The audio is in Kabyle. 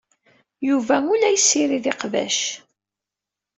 Yuba ur la yessirid iqbac.